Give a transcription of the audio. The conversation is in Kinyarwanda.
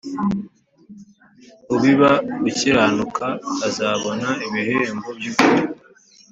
ubiba gukiranuka azabona ibihembo by’ukuri